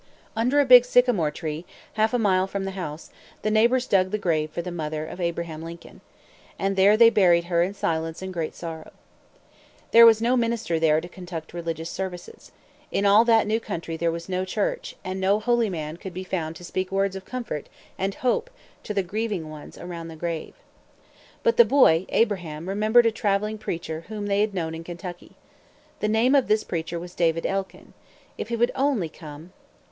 Under a big sycamore tree, half a mile from the house, the neighbors dug the grave for the mother of Abraham Lincoln. And there they buried her in silence and great sorrow. There was no minister there to conduct religious services. In all that new country there was no church; and no holy man could be found to speak words of comfort and hope to the grieving ones around the grave. But the boy, Abraham, remembered a traveling preacher, whom they had known in Kentucky. The name of this preacher was David Elkin. If he would only come!